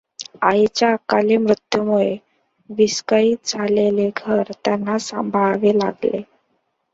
आईच्या अकाली मृत्यूमुळे विस्कळित झालेले घर त्यांना सांभाळावे लागले.